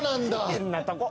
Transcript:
変なとこ。